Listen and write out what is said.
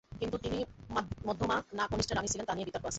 কিন্তু তিনি মধ্যমা না কনিষ্ঠা রাণী ছিলেন তা নিয়ে বিতর্ক আছে।